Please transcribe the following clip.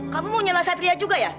kamu mau nyala satria juga ya